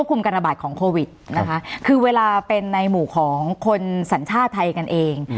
การระบาดของโควิดนะคะคือเวลาเป็นในหมู่ของคนสัญชาติไทยกันเอง